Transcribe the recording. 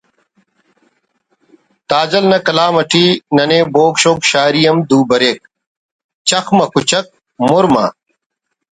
تاجل نا کلام اٹی ننے بوگ شوگ شاعری ہم دو بریک: چخ مہ کچک مُرمہ